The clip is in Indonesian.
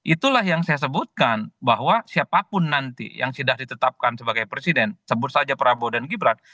itulah yang saya sebutkan bahwa siapapun nanti yang sudah ditetapkan sebagai presiden sebut saja prabowo dan gibran